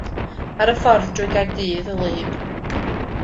Ar fy ffordd drwy Gaerdydd wlyb.